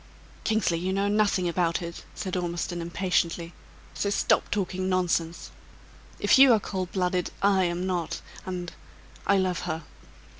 "Kingsley, you know nothing about it!" said Ormiston, impatiently. "So stop talking nonsense. If you are cold blooded, I am not; and I love her!"